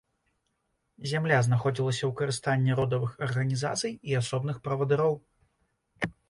Зямля знаходзілася ў карыстанні родавых арганізацый і асобных правадыроў.